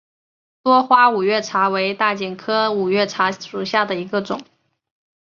多花五月茶为大戟科五月茶属下的一个种。